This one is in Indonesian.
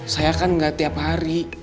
saya kan gak tiap hari